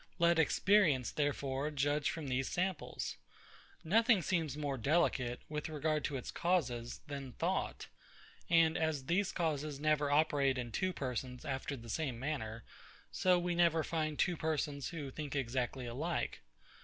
Let experience, therefore, judge from these samples. Nothing seems more delicate, with regard to its causes, than thought; and as these causes never operate in two persons after the same manner, so we never find two persons who think exactly alike.